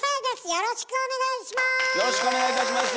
よろしくお願いいたします！ます！